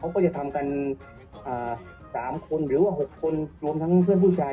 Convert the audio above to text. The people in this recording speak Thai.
เขาก็จะทำกัน๓คนหรือว่า๖คนรวมทั้งเพื่อนผู้ชาย